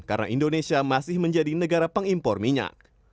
yang menjadi negara pengimpor minyak